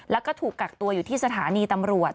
แล้วก็ถูกกักตัวอยู่ที่สถานีตำรวจ